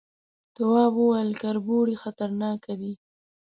تواب وويل، کربوړي خطرناکه دي.